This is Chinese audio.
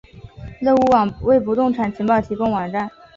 乐屋网为不动产情报提供网站。